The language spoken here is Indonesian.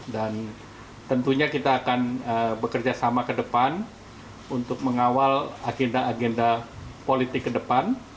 dan tentunya kita akan bekerjasama ke depan untuk mengawal agenda agenda politik ke depan